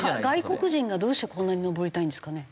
外国人がどうしてこんなに登りたいんですかね？